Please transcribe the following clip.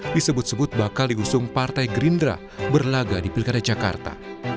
disebut sebut bakal diusung partai gerindra berlaga di pilkada jakarta